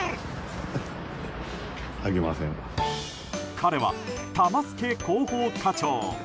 彼はタマスケ広報課長。